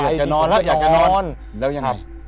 อยากจะนอนแล้วอยากจะนอนแล้วยังไง